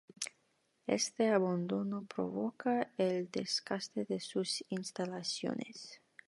Este abandono provoca el desgaste de sus instalaciones.